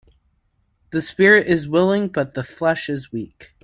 The spirit is willing but the flesh is weak.